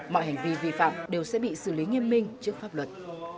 mọi hành vi vi phạm đều sẽ bị xử lý nghiêm minh trước pháp luật